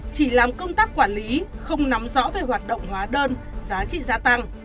chỉ làm công tác quản lý không nắm rõ về hoạt động hóa đơn giá trị gia tăng